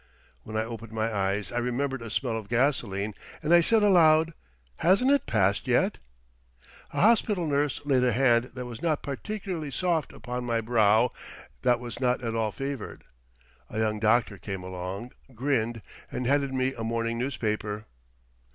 When I opened my eyes I remembered a smell of gasoline, and I said aloud: "Hasn't it passed yet?" A hospital nurse laid a hand that was not particularly soft upon my brow that was not at all fevered. A young doctor came along, grinned, and handed me a morning newspaper.